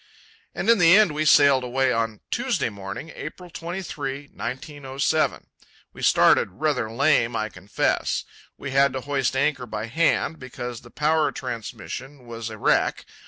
And in the end we sailed away, on Tuesday morning, April 23, 1907. We started rather lame, I confess. We had to hoist anchor by hand, because the power transmission was a wreck.